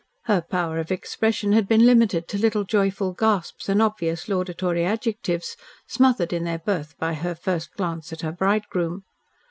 Her power of expression had been limited to little joyful gasps and obvious laudatory adjectives, smothered in their birth by her first glance at her bridegroom.